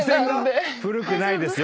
古くないですよ